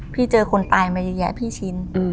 พี่เจอคนตายมาเยอะพี่ชิน